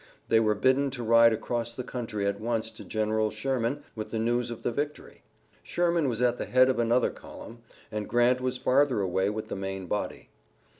They were bidden to ride across the country at once to General Sherman with the news of the victory. Sherman was at the head of another column, and Grant was farther away with the main body.